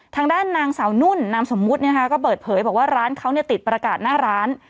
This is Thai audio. ทางด้านนางสาวนุ่นนามสมมุติก็เปิดเผยบอกว่าร้านเขาติดประกาศหน้าร้าน